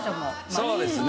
そうですね。